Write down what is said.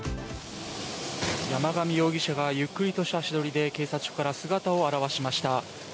山上容疑者がゆっくりとした足取りで警察署から姿を現しました。